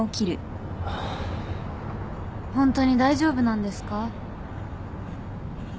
ホントに大丈夫なんですか？